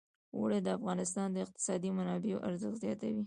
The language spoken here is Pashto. اوړي د افغانستان د اقتصادي منابعو ارزښت زیاتوي.